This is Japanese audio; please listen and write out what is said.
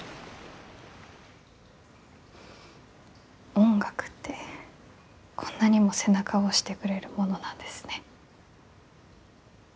音楽ってこんなにも背中を押してくれるものなんですね。